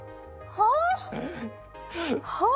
はあ！